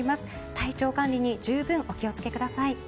体調管理に十分お気をつけください。